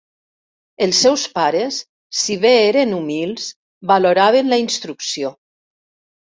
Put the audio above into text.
Els seus pares, si bé eren humils, valoraven la instrucció.